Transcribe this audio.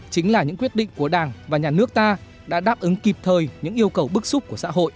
chính là những quyết định của đảng và nhà nước ta đã đáp ứng kịp thời những yêu cầu bức xúc của xã hội